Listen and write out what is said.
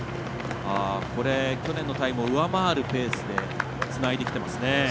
去年のタイムを上回るペースでつないできていますね。